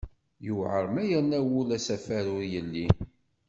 Yuɛer ma yerna wul asafar ur yelli.